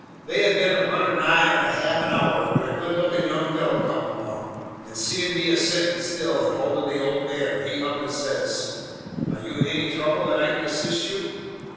They had been a runnin' nigh onto half an hour, when a good lookin' young feller come along, and seein' me a settin' still and holdin' the old mare, he up and says: "Are you in any trouble that I can assist you?"